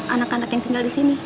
anak anak yang tinggal disini